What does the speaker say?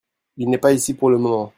Il n'est pas ici pour le moment.